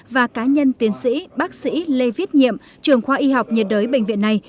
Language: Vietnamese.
và cá nhân tiến sĩ bác sĩ lê viết nhiệm trường khoa y học nhiệt đới bệnh viện này